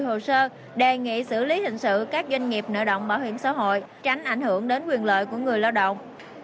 hồ sơ đề nghị xử lý hình sự các doanh nghiệp nợ động bảo hiểm xã hội tránh ảnh hưởng đến quyền lợi của người lao động